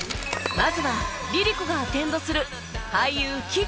まずは ＬｉＬｉＣｏ がアテンドする